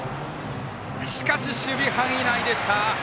しかし、守備範囲内でした。